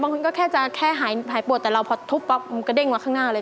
คนก็แค่จะแค่หายปวดแต่เราพอทุบปั๊บกระเด้งมาข้างหน้าเลย